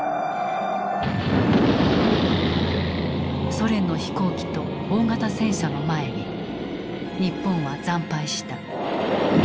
ソ連の飛行機と大型戦車の前に日本は惨敗した。